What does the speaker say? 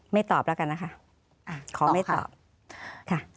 ตอบแล้วกันนะคะขอไม่ตอบค่ะ